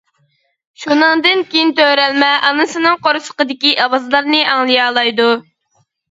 شۇنىڭدىن كېيىن تۆرەلمە ئانىسىنىڭ قورسىقىدىكى ئاۋازلارنى ئاڭلىيالايدۇ.